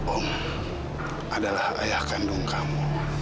om adalah ayah kandung kamu